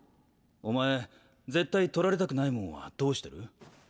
お前絶対取られたくないもんはどうしてる？